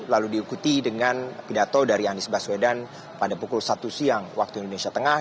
lalu diikuti dengan pidato dari anies baswedan pada pukul satu siang waktu indonesia tengah